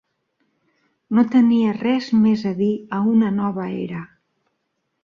No tenia res més a dir a una nova era.